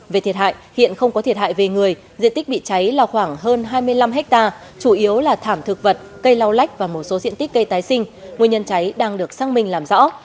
về thiệt hại hiện không có thiệt hại về người diện tích bị cháy là khoảng hơn hai mươi năm hectare chủ yếu là thảm thực vật cây lau lách và một số diện tích cây tái sinh nguyên nhân cháy đang được xác minh làm rõ